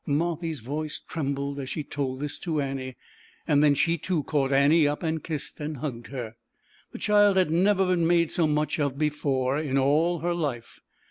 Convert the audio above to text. Marthy's voice trembled as she told this to Annie, and then she too caught Annie up and kissed and hugged her. The child had never been made so much of before, in all her life.